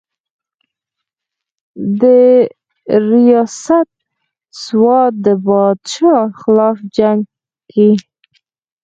درياست سوات د بادشاه خلاف جنګ کښې